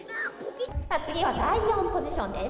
次は第４ポジションです。